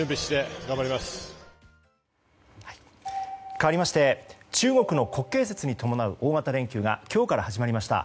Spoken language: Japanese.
かわりまして中国の国慶節に伴う大型連休が今日から始まりました。